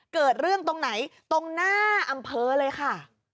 เกิดเรื่องตรงไหนตรงหน้าอำเภอเลยค่ะ